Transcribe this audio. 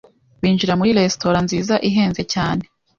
Binjira muri resitora nziza ihenze cyane